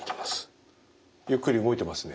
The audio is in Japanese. ゆっくり動いてますね。